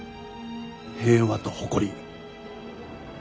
平和と誇り。